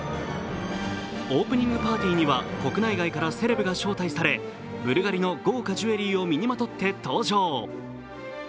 オープニングパーティーには国内外からセレブが招待され、ブルガリの豪華ジュエリーを身にまとって登場。